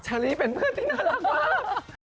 เชอรี่เป็นเพื่อนที่น่ารักมาก